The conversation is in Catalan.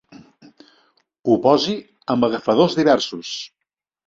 Ho posi amb agafadors diversos.